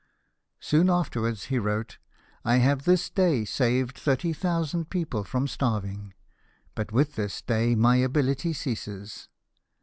Soon afterwards he wrote :" I have this day saved thirty thousand people from starving, but with this day my ability ceases.